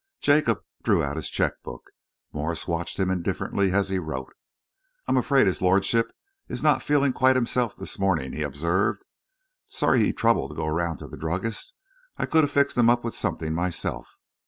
Jacob drew out his cheque book. Morse watched him indifferently as he wrote. "I'm afraid his lordship is not feeling quite himself this morning," he observed. "Sorry he troubled to go round to the druggist's. I could have fixed him up something myself.